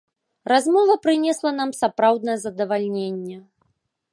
Размова прынесла нам сапраўднае задавальненне!